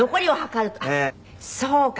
そうか。